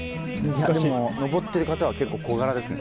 でも登ってる方は結構小柄ですね